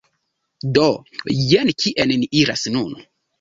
Do, jen kien ni iras nun